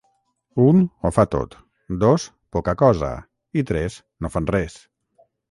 Un ho fa tot, dos poca cosa i tres no fan res.